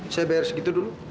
saya bayar segitu dulu